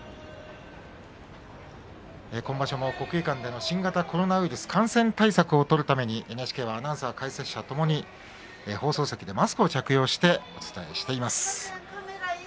今場所も国技館での新型コロナウイルス感染対策を取るためにＮＨＫでは解説者、アナウンサーともに放送席でマスクを着用してお伝えしています。